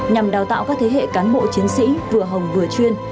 nhằm đào tạo các thế hệ cán bộ chiến sĩ vừa hồng vừa chuyên